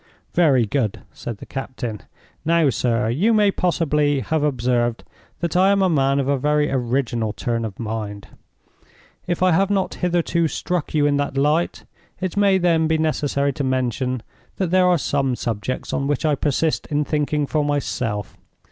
"Very good," said the captain. "Now, sir, you may possibly have observed that I am a man of a very original turn of mind. If I have not hitherto struck you in that light, it may then be necessary to mention that there are some subjects on which I persist in thinking for myself.